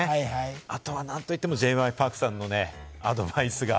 あとは何と言ってもＪ．Ｙ．Ｐａｒｋさんのね、アドバイスが。